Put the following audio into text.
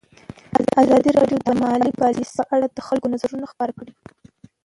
ازادي راډیو د مالي پالیسي په اړه د خلکو نظرونه خپاره کړي.